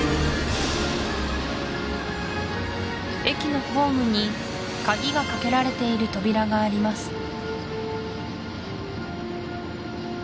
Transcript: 駅のホームに鍵がかけられている扉があります